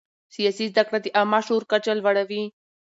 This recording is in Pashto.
سیاسي زده کړه د عامه شعور کچه لوړوي